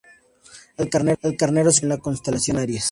El carnero se convirtió en la constelación Aries.